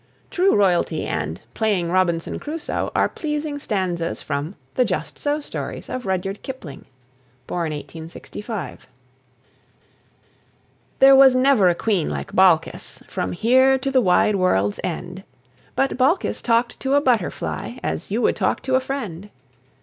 "True Royalty" and "Playing Robinson Crusoe" are pleasing stanzas from "The Just So Stories" of Rudyard Kipling (1865 ). There was never a Queen like Balkis, From here to the wide world's end; But Balkis talked to a butterfly As you would talk to a friend.